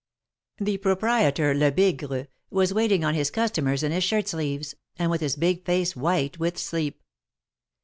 The proprietor, Lebigre, was waiting on his customers in his shirt sleeves, and with his big face white with sleep.